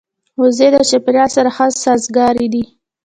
وزې د چاپېریال سره ښه سازګارې دي